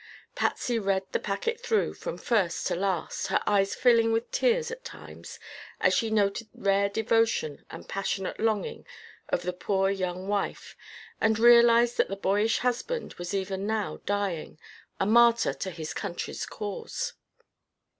Patsy read the packet through, from first to last, her eyes filling with tears at times as she noted the rare devotion and passionate longing of the poor young wife and realized that the boyish husband was even now dying, a martyr to his country's cause.